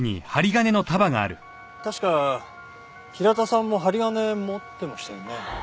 確か平田さんも針金持ってましたよね？